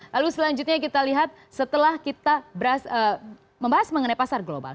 lalu selanjutnya kita lihat setelah kita membahas mengenai pasar global